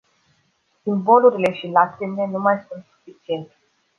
Simbolurile și lacrimile nu mai sunt suficiente.